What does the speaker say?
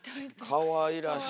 かわいらしい。